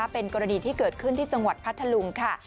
เป็นกรณีที่เกิดขึ้นที่จังหวัดพัทธลุงค่ะ